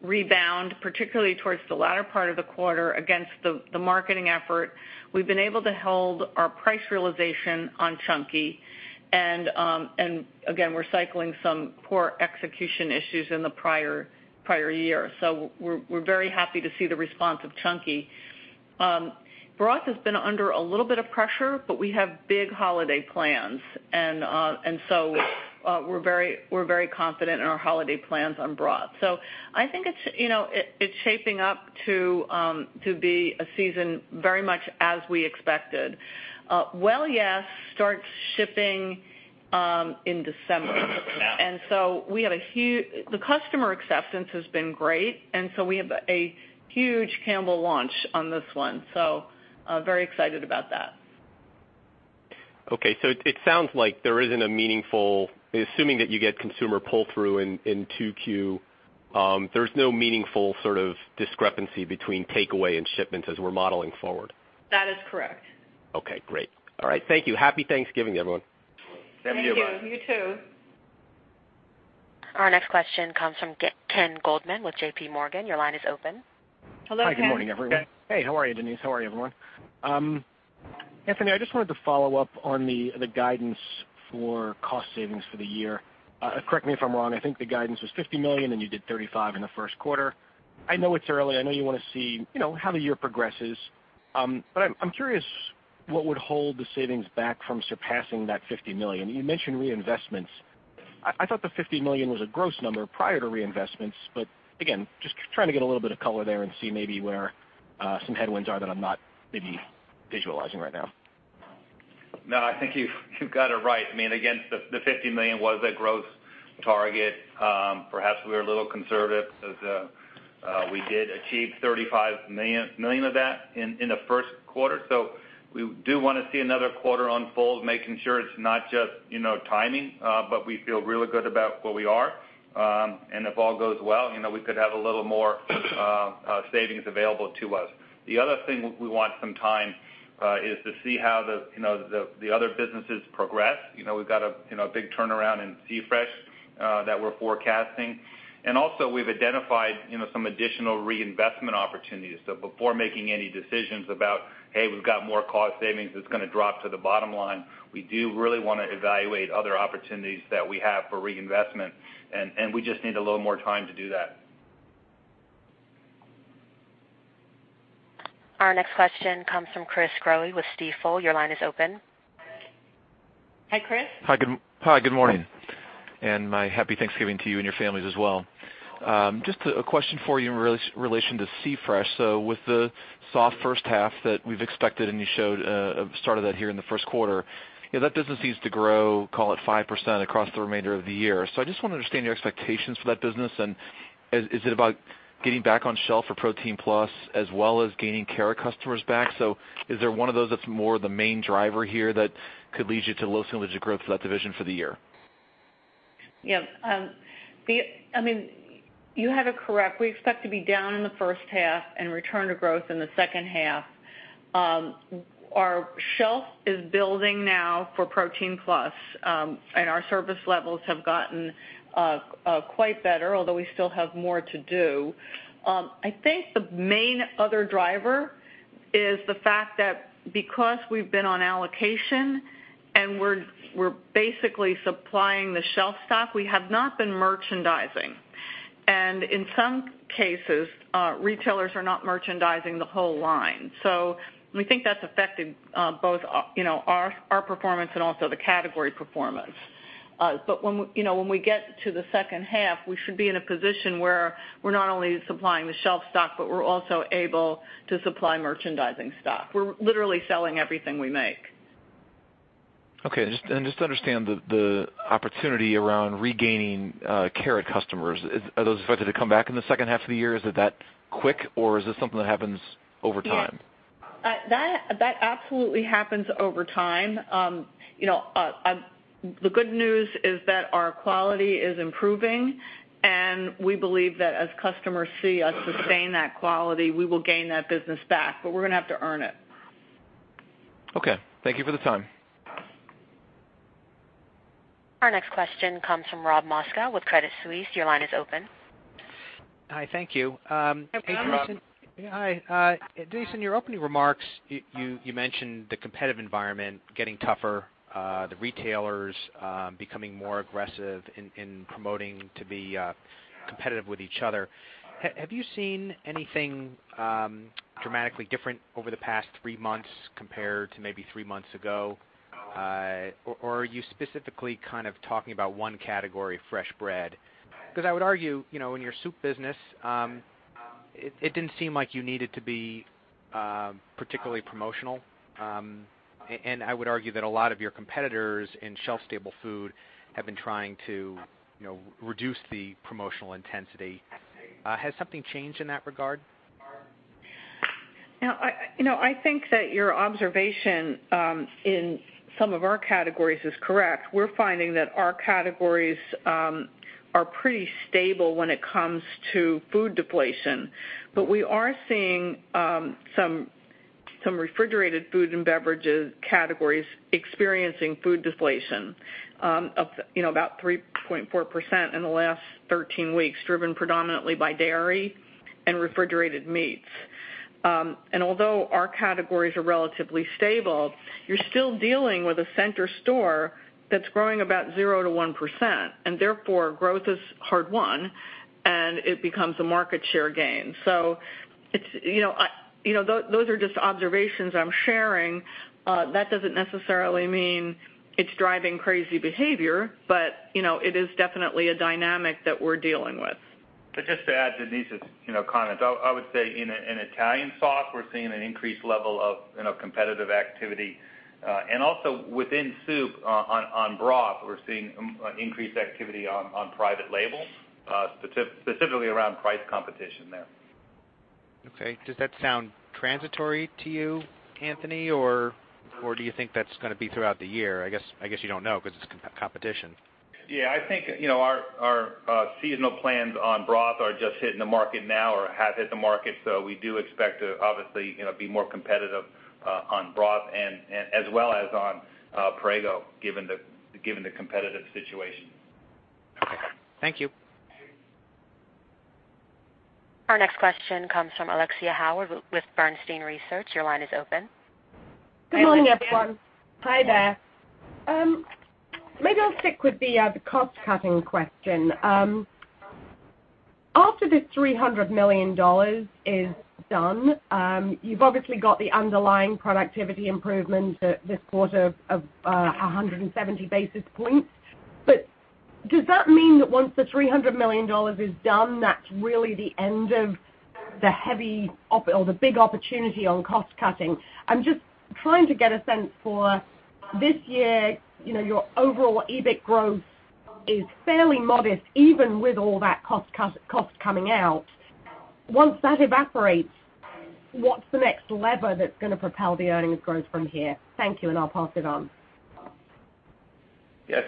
rebound, particularly towards the latter part of the quarter against the marketing effort. We've been able to hold our price realization on Chunky, and again, we're cycling some poor execution issues in the prior year. We're very happy to see the response of Chunky. Broth has been under a little bit of pressure, we have big holiday plans. We're very confident in our holiday plans on Broth. I think it's shaping up to be a season very much as we expected. Well Yes! starts shipping in December. The customer acceptance has been great. We have a huge Campbell launch on this one, very excited about that. It sounds like there isn't a meaningful, assuming that you get consumer pull-through in 2Q, there's no meaningful sort of discrepancy between takeaway and shipments as we're modeling forward. That is correct. Okay, great. All right. Thank you. Happy Thanksgiving, everyone. Happy to you, Bryan. Thank you. You too. Our next question comes from Ken Goldman with J.P. Morgan. Your line is open. Hello, Ken. Hi, good morning, everyone. Hey, how are you, Denise? How are you, everyone? Anthony, I just wanted to follow up on the guidance for cost savings for the year. Correct me if I'm wrong, I think the guidance was $50 million, and you did $35 in the first quarter. I know it's early. I know you want to see how the year progresses. I'm curious what would hold the savings back from surpassing that $50 million. You mentioned reinvestments. I thought the $50 million was a gross number prior to reinvestments, again, just trying to get a little bit of color there and see maybe where some headwinds are that I'm not maybe visualizing right now. No, I think you've got it right. I mean, again, the $50 million was a gross target. Perhaps we were a little conservative, as we did achieve $35 million of that in the first quarter. We do want to see another quarter unfold, making sure it's not just timing, but we feel really good about where we are. If all goes well, we could have a little more savings available to us. The other thing we want some time is to see how the other businesses progress. We've got a big turnaround in C-Fresh that we're forecasting. Also we've identified some additional reinvestment opportunities. Before making any decisions about, hey, we've got more cost savings that's gonna drop to the bottom line, we do really wanna evaluate other opportunities that we have for reinvestment, and we just need a little more time to do that. Our next question comes from Chris Growe with Stifel. Your line is open. Hi, Chris. Hi, good morning, and my Happy Thanksgiving to you and your families as well. Just a question for you in relation to C-Fresh. With the soft first half that we've expected, and you showed, started that here in the first quarter, that business needs to grow, call it 5% across the remainder of the year. I just want to understand your expectations for that business, and is it about getting back on shelf for Protein PLUS as well as gaining carrot customers back? Is there one of those that's more the main driver here that could lead you to low single digit growth for that division for the year? Yeah. You have it correct. We expect to be down in the first half and return to growth in the second half. Our shelf is building now for Protein PLUS, and our service levels have gotten quite better, although we still have more to do. I think the main other driver is the fact that because we've been on allocation and we're basically supplying the shelf stock, we have not been merchandising. In some cases, retailers are not merchandising the whole line. We think that's affected both our performance and also the category performance. When we get to the second half, we should be in a position where we're not only supplying the shelf stock, but we're also able to supply merchandising stock. We're literally selling everything we make. Okay. Just to understand the opportunity around regaining carrot customers, are those expected to come back in the second half of the year? Is it that quick, or is this something that happens over time? That absolutely happens over time. The good news is that our quality is improving. We believe that as customers see us sustain that quality, we will gain that business back. We're going to have to earn it. Okay. Thank you for the time. Our next question comes from Rob Moskow with Credit Suisse. Your line is open. Hi, thank you. Hi, Rob. Hi. Denise, in your opening remarks, you mentioned the competitive environment getting tougher, the retailers becoming more aggressive in promoting to be competitive with each other. Have you seen anything dramatically different over the past three months compared to maybe three months ago? Are you specifically talking about one category, fresh bread? Because I would argue, in your soup business, it didn't seem like you needed to be particularly promotional. I would argue that a lot of your competitors in shelf-stable food have been trying to reduce the promotional intensity. Has something changed in that regard? I think that your observation in some of our categories is correct. We're finding that our categories are pretty stable when it comes to food deflation. We are seeing some refrigerated food and beverages categories experiencing food deflation of about 3.4% in the last 13 weeks, driven predominantly by dairy and refrigerated meats. Although our categories are relatively stable, you're still dealing with a center store that's growing about 0% to 1%, and therefore, growth is hard-won, and it becomes a market share gain. Those are just observations I'm sharing. That doesn't necessarily mean it's driving crazy behavior, but it is definitely a dynamic that we're dealing with. Just to add to Denise's comment, I would say in Italian sauce, we're seeing an increased level of competitive activity. Also within soup on broth, we're seeing increased activity on private label, specifically around price competition there. Okay. Does that sound transitory to you, Anthony, or do you think that's going to be throughout the year? I guess you don't know because it's competition. I think our seasonal plans on broth are just hitting the market now or have hit the market. We do expect to obviously be more competitive on broth and as well as on Prego, given the competitive situation. Okay. Thank you. Our next question comes from Alexia Howard with Bernstein Research. Your line is open. Good morning, everyone. Hi there. Maybe I'll stick with the cost-cutting question. After this $300 million is done, you've obviously got the underlying productivity improvement this quarter of 170 basis points. Does that mean that once the $300 million is done, that's really the end of the heavy or the big opportunity on cost cutting? I'm just trying to get a sense for this year, your overall EBIT growth is fairly modest, even with all that cost coming out. Once that evaporates, what's the next lever that's going to propel the earnings growth from here? Thank you, and I'll pass it on. Yeah.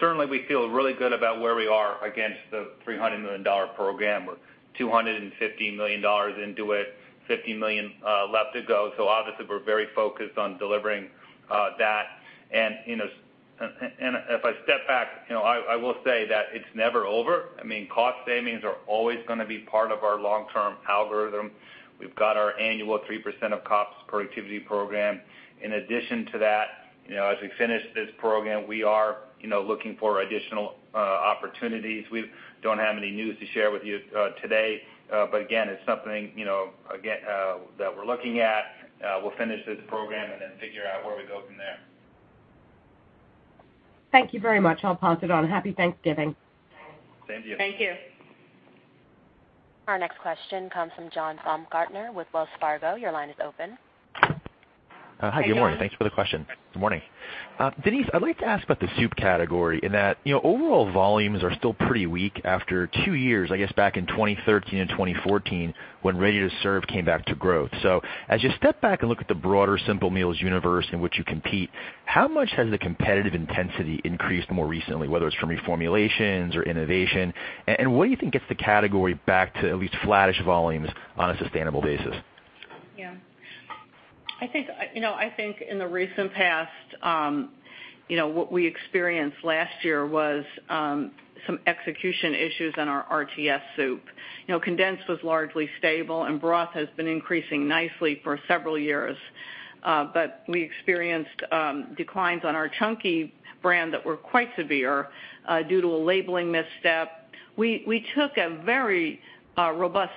Certainly, we feel really good about where we are against the $300 million program. We're $250 million into it, $50 million left to go. Obviously, we're very focused on delivering that. If I step back, I will say that it's never over. Cost savings are always going to be part of our long-term algorithm. We've got our annual 3% of costs productivity program. In addition to that, as we finish this program, we are looking for additional opportunities. We don't have any news to share with you today. Again, it's something that we're looking at. We'll finish this program then figure out where we go from there. Thank you very much. I'll pass it on. Happy Thanksgiving. Same to you. Thank you. Our next question comes from John Baumgartner with Wells Fargo. Your line is open. Hi, good morning. Thanks for the question. Good morning. Denise, I'd like to ask about the soup category, in that overall volumes are still pretty weak after two years, I guess, back in 2013 and 2014, when ready to serve came back to growth. As you step back and look at the broader Simple Meals universe in which you compete, how much has the competitive intensity increased more recently, whether it's from reformulations or innovation? What do you think gets the category back to at least flattish volumes on a sustainable basis? Yeah. I think in the recent past, what we experienced last year was some execution issues in our RTS soup. Condensed was largely stable, and broth has been increasing nicely for several years. We experienced declines on our Chunky brand that were quite severe due to a labeling misstep. We took a very robust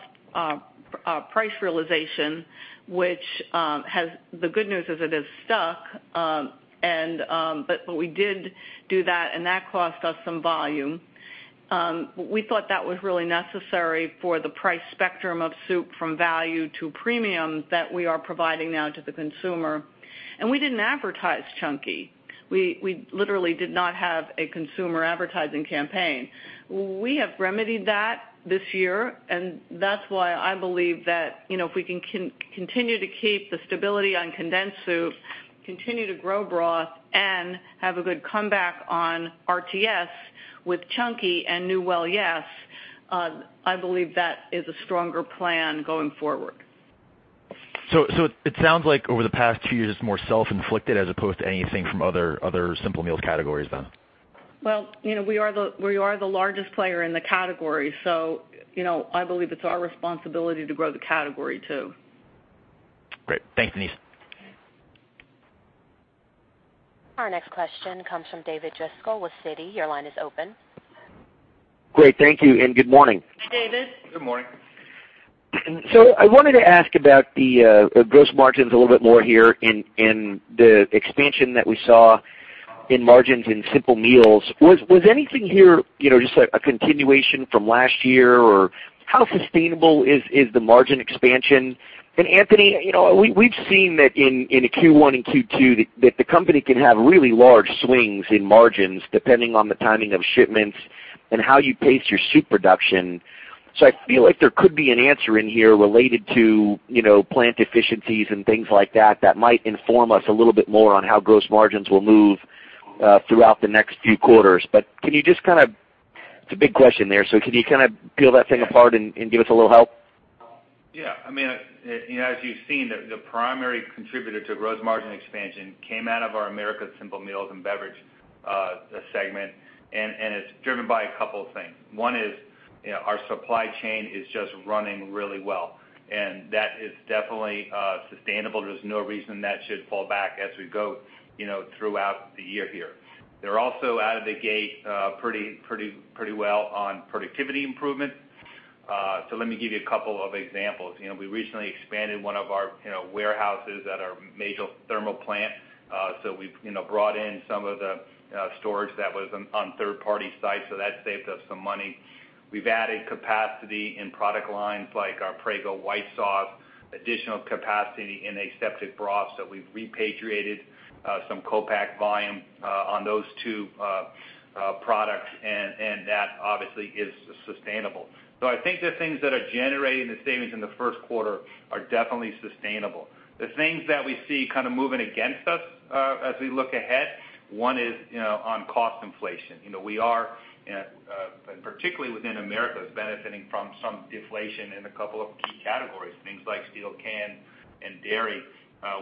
price realization, which the good news is it has stuck, but we did do that, and that cost us some volume. We thought that was really necessary for the price spectrum of soup, from value to premium, that we are providing now to the consumer. We didn't advertise Chunky. We literally did not have a consumer advertising campaign. We have remedied that this year, and that's why I believe that if we can continue to keep the stability on condensed soup, continue to grow broth, and have a good comeback on RTS with Chunky and new Well Yes!, I believe that is a stronger plan going forward. It sounds like over the past two years, it's more self-inflicted as opposed to anything from other Simple Meals categories, then. We are the largest player in the category, so I believe it's our responsibility to grow the category, too. Great. Thanks, Denise. Our next question comes from David Driscoll with Citi. Your line is open. Great. Thank you. Good morning. Hi, David. Good morning. I wanted to ask about the gross margins a little bit more here and the expansion that we saw in margins in Simple Meals. Was anything here just a continuation from last year, or how sustainable is the margin expansion? Anthony, we've seen that in Q1 and Q2 that the company can have really large swings in margins depending on the timing of shipments and how you pace your soup production. I feel like there could be an answer in here related to plant efficiencies and things like that might inform us a little bit more on how gross margins will move throughout the next few quarters. Can you just it's a big question there, can you kind of peel that thing apart and give us a little help? Yeah. As you've seen, the primary contributor to gross margin expansion came out of our Americas Simple Meals and Beverages segment, and it's driven by a couple of things. One is our supply chain is just running really well, and that is definitely sustainable. There's no reason that should fall back as we go throughout the year here. They're also out of the gate pretty well on productivity improvements. Let me give you a couple of examples. We recently expanded one of our warehouses at our major thermal plant. We brought in some of the storage that was on third-party sites, so that saved us some money. We've added capacity in product lines like our Prego white sauce, additional capacity in aseptic broth. We've repatriated some co-pack volume on those two products, and that obviously is sustainable. I think the things that are generating the savings in the first quarter are definitely sustainable. The things that we see kind of moving against us, as we look ahead, one is on cost inflation. We are, particularly within Americas, benefiting from some deflation in a couple of key categories, things like steel cans and dairy,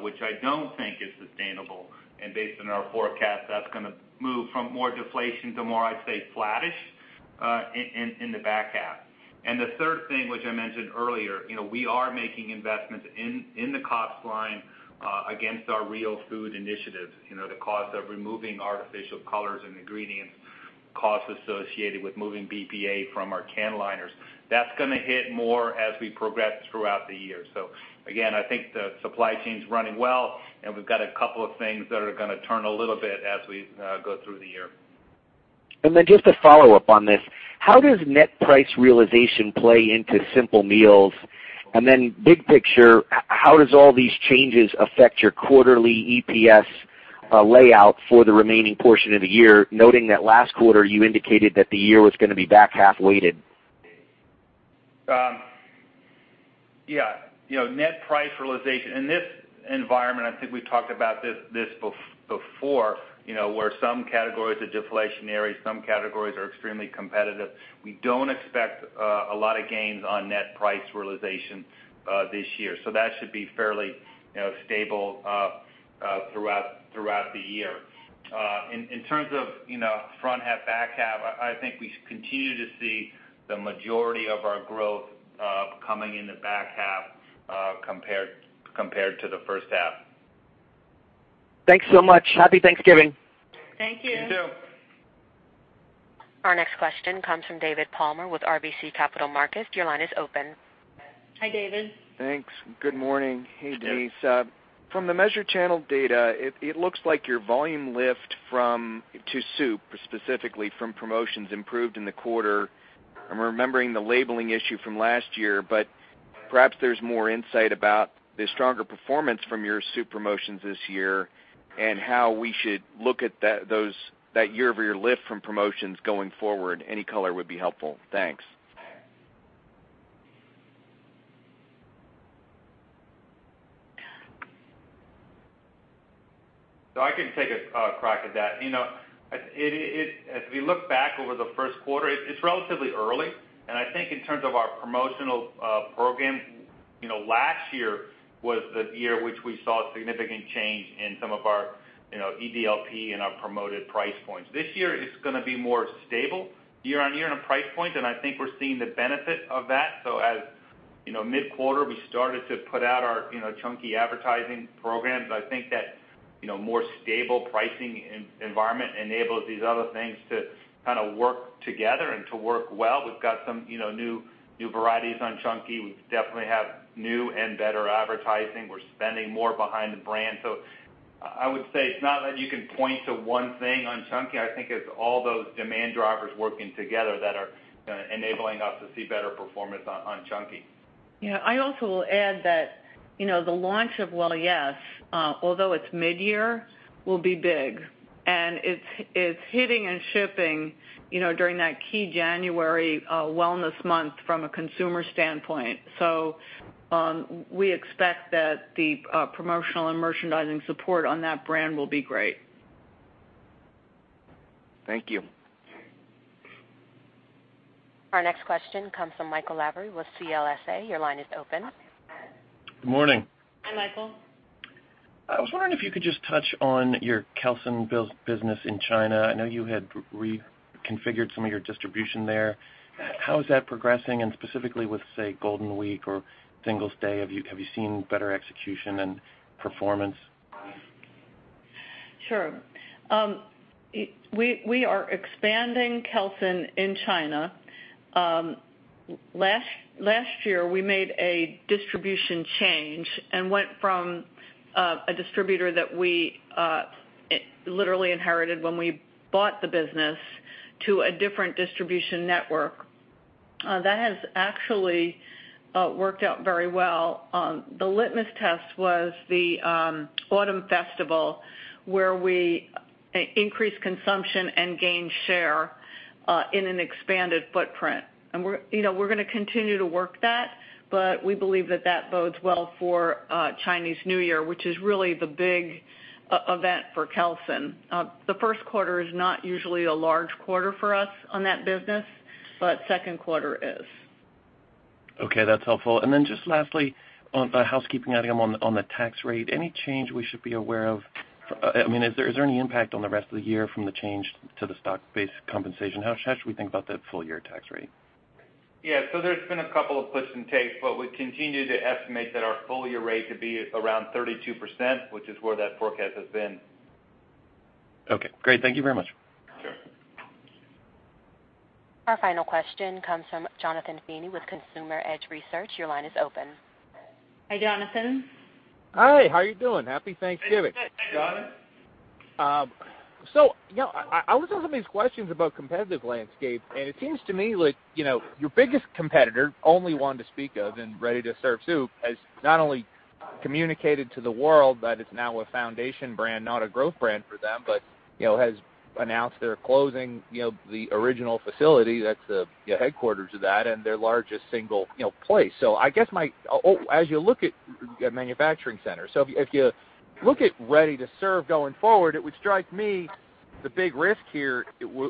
which I don't think is sustainable. Based on our forecast, that's gonna move from more deflation to more, I'd say, flattish in the back half. The third thing, which I mentioned earlier, we are making investments in the cost line against our real food initiatives. The cost of removing artificial colors and ingredients, costs associated with moving BPA from our can liners. That's gonna hit more as we progress throughout the year. Again, I think the supply chain's running well, and we've got a couple of things that are gonna turn a little bit as we go through the year. Just a follow-up on this, how does net price realization play into Simple Meals? Big picture, how does all these changes affect your quarterly EPS layout for the remaining portion of the year, noting that last quarter you indicated that the year was gonna be back half weighted? Yeah. Net price realization. In this environment, I think we've talked about this before, where some categories are deflationary, some categories are extremely competitive. We don't expect a lot of gains on net price realization this year. That should be fairly stable throughout the year. In terms of front half, back half, I think we continue to see the majority of our growth coming in the back half compared to the first half. Thanks so much. Happy Thanksgiving. Thank you. You too. Our next question comes from David Palmer with RBC Capital Markets. Your line is open. Hi, David. Thanks. Good morning. Hey, Denise. Good morning. From the measured channel data, it looks like your volume lift to soup, specifically from promotions, improved in the quarter. I'm remembering the labeling issue from last year, but perhaps there's more insight about the stronger performance from your soup promotions this year and how we should look at that year-over-year lift from promotions going forward. Any color would be helpful. Thanks. I can take a crack at that. If we look back over the first quarter, it's relatively early, and I think in terms of our promotional program, last year was the year which we saw significant change in some of our EDLP and our promoted price points. This year it's gonna be more stable year-on-year in a price point, and I think we're seeing the benefit of that. As mid-quarter, we started to put out our Chunky advertising programs. I think that more stable pricing environment enables these other things to kind of work together and to work well. We've got some new varieties on Chunky. We definitely have new and better advertising. We're spending more behind the brand. I would say it's not that you can point to one thing on Chunky, I think it's all those demand drivers working together that are enabling us to see better performance on Chunky. I also will add that the launch of Well Yes!, although it's mid-year, will be big. It's hitting and shipping during that key January wellness month from a consumer standpoint. We expect that the promotional and merchandising support on that brand will be great. Thank you. Our next question comes from Michael Lavery with CLSA. Your line is open. Good morning. Hi, Michael. I was wondering if you could just touch on your Kelsen business in China. I know you had reconfigured some of your distribution there. How is that progressing? Specifically with, say, Golden Week or Singles' Day, have you seen better execution and performance? Sure. We are expanding Kelsen in China. Last year, we made a distribution change and went from a distributor that we literally inherited when we bought the business to a different distribution network. That has actually worked out very well. The litmus test was the Mid-Autumn Festival, where we increased consumption and gained share in an expanded footprint. We're going to continue to work that, but we believe that that bodes well for Chinese New Year, which is really the big event for Kelsen. The first quarter is not usually a large quarter for us on that business, but second quarter is. Okay, that's helpful. Then just lastly, a housekeeping item on the tax rate. Any change we should be aware of? Is there any impact on the rest of the year from the change to the stock-based compensation? How should we think about the full-year tax rate? Yeah, there's been a couple of twists and turns, but we continue to estimate that our full-year rate to be around 32%, which is where that forecast has been. Okay, great. Thank you very much. Sure. Our final question comes from Jonathan Feeney with Consumer Edge Research. Your line is open. Hi, Jonathan. Hi, how are you doing? Happy Thanksgiving. Good. Jon. I was asking these questions about competitive landscape. It seems to me like your biggest competitor, only one to speak of in ready-to-serve soup, has not only communicated to the world that it's now a foundation brand, not a growth brand for them, but has announced they're closing the original facility that's the headquarters of that and their largest single place. I guess as you look at manufacturing centers, if you look at ready-to-serve going forward, it would strike me the big risk here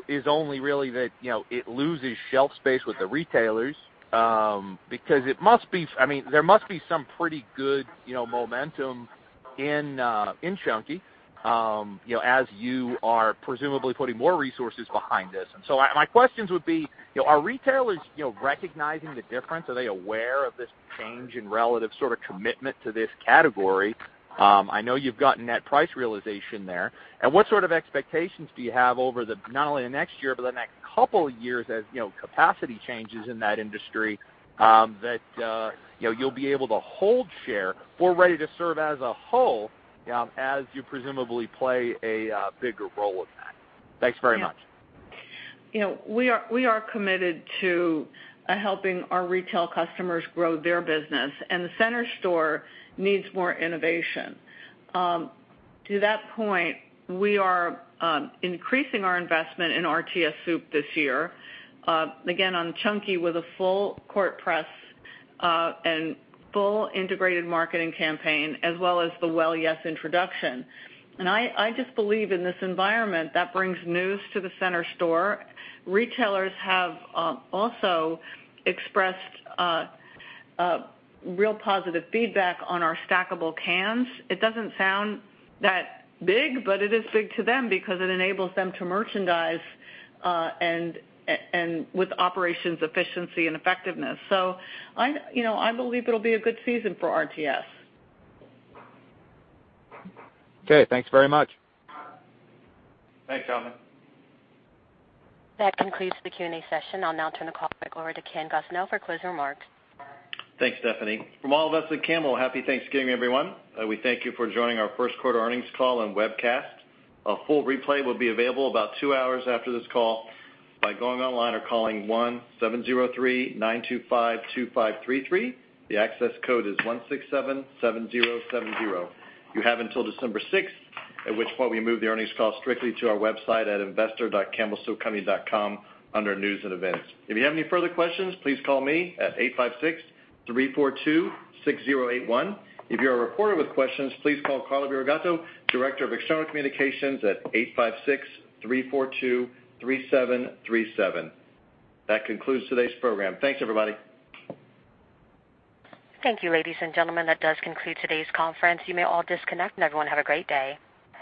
is only really that it loses shelf space with the retailers. There must be some pretty good momentum in Chunky, as you are presumably putting more resources behind this. My questions would be, are retailers recognizing the difference? Are they aware of this change in relative sort of commitment to this category? I know you've gotten that price realization there. What sort of expectations do you have over not only the next year, but the next couple of years as capacity changes in that industry, that you'll be able to hold share for ready-to-serve as a whole, as you presumably play a bigger role in that? Thanks very much. Yeah. We are committed to helping our retail customers grow their business. The center store needs more innovation. To that point, we are increasing our investment in RTS soup this year. Again, on Chunky with a full court press and full integrated marketing campaign, as well as the Well Yes! introduction. I just believe in this environment, that brings news to the center store. Retailers have also expressed real positive feedback on our stackable cans. It doesn't sound that big, but it is big to them because it enables them to merchandise with operations efficiency and effectiveness. I believe it'll be a good season for RTS. Okay, thanks very much. Thanks, Jonathan. That concludes the Q&A session. I'll now turn the call back over to Ken Gosnell for closing remarks. Thanks, Stephanie. From all of us at Campbell, happy Thanksgiving, everyone. We thank you for joining our first quarter earnings call and webcast. A full replay will be available about two hours after this call by going online or calling 1-703-925-2533. The access code is 1677070. You have until December 6th, at which point we move the earnings call strictly to our website at investor.campbellsoupcompany.com under News & Events. If you have any further questions, please call me at 856-342-6081. If you're a reporter with questions, please call Carla Burigatto, Director of External Communications, at 856-342-3737. That concludes today's program. Thanks, everybody. Thank you, ladies and gentlemen. That does conclude today's conference. You may all disconnect, and everyone have a great day.